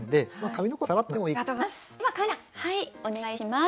お願いします。